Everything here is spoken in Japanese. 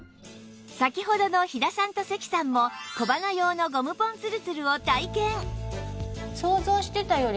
先ほどの飛騨さんと関さんも小鼻用のゴムポンつるつるを体験